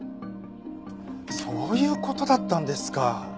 そういう事だったんですか。